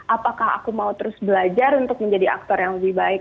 apakah aku mau terus belajar untuk menjadi aktor yang lebih baik